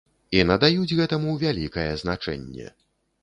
І надаюць гэтаму вялікае значэнне.